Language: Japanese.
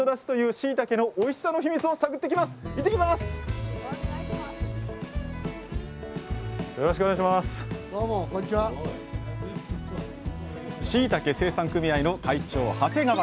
しいたけ生産組合の会長